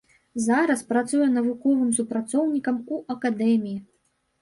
Зараз працуе навуковым супрацоўнікам у акадэміі.